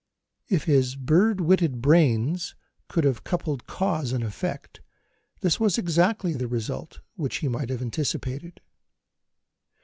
If his bird witted brains could have coupled cause and effect, this was exactly the result which he might have anticipated.